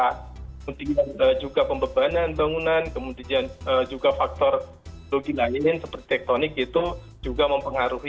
kemudian juga pembebanan bangunan kemudian juga faktor logi lain seperti tektonik itu juga mempengaruhi